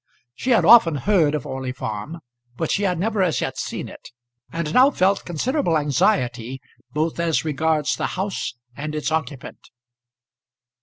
She had often heard of Orley Farm, but she had never as yet seen it, and now felt considerable anxiety both as regards the house and its occupant.